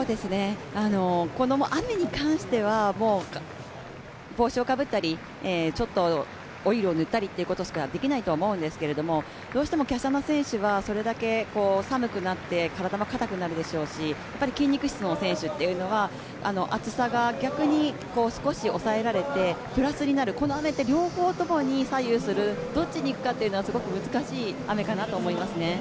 この雨に関しては、帽子をかぶったり、ちょっとオイルを塗ったりということしかできないと思うんですけど、どうしても、きゃしゃな選手はそれだけ寒くなって体も硬くなるでしょうし、筋肉質の選手は、暑さが逆に少し抑えられてプラスになるこの雨って両方ともに左右するどっちにいくかというのすごく難しい雨かと思いますね。